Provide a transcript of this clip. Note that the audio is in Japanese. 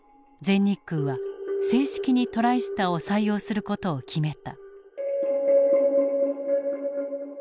全日空は正式にトライスターを採用する事を決めた。